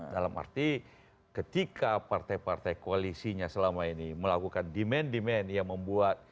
dalam arti ketika partai partai koalisinya selama ini melakukan demand demand yang membuat